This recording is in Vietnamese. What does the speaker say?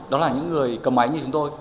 đó là những người cầm máy như chúng tôi